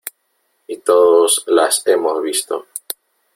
y todos las hemos visto .